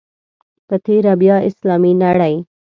په تېره بیا اسلامي نړۍ.